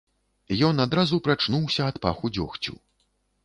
Ён адразу прачнуўся ад паху дзёгцю.